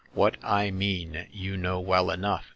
"What I mean you know well enough